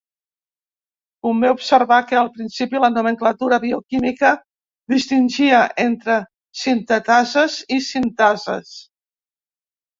Convé observar que, al principi, la nomenclatura bioquímica distingia entre sintetases i sintases.